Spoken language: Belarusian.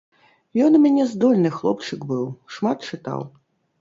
Ён у мяне здольны хлопчык быў, шмат чытаў.